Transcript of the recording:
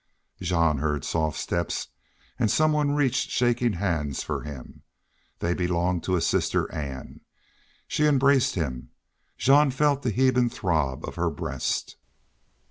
Jean heard soft steps and some one reached shaking hands for him. They belonged to his sister Ann. She embraced him. Jean felt the heave and throb of her breast.